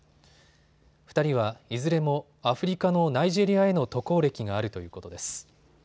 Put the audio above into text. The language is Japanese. ２人はいずれもアフリカのナイジェリアへの渡航歴があるということです。